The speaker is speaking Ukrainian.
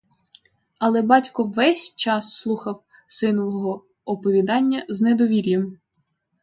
Але батько весь час слухав синового оповідання з недовір'ям.